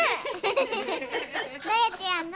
フフフどうやってやんの？